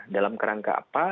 dalam kerangka apa